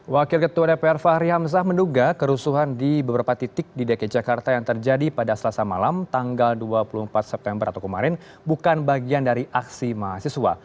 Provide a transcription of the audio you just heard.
wakil ketua dpr fahri hamzah menduga kerusuhan di beberapa titik di dki jakarta yang terjadi pada selasa malam tanggal dua puluh empat september atau kemarin bukan bagian dari aksi mahasiswa